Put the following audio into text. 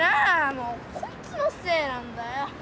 もうこいつのせいなんだよ！